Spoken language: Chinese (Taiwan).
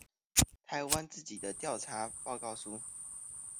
台灣自己的調查報告書